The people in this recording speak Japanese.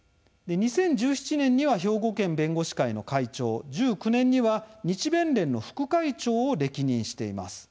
２０１７年には兵庫県弁護士会の会長１９年には日弁連の副会長を歴任しています。